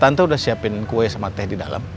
tante udah siapin kue sama teh di dalam